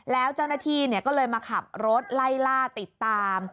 แล้วเจ้าหน้าที่ก็เลยมาขับรถไล่ล่าติดตาม